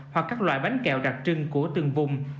hoặc các loại bánh kẹo đặc trưng của từng vùng